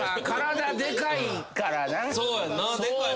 体でかいからな。